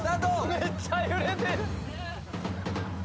・めっちゃ揺れて。